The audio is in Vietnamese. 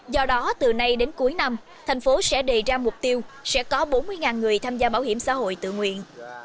do đó từ nay đến cuối năm thành phố sẽ đề ra mục tiêu sẽ có bốn mươi người tham gia bảo hiểm xã hội tự nguyện